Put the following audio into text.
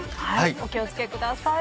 お気を付けください。